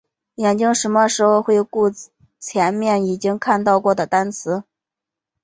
眼睛什么时候会回顾前面已经看到过的单词？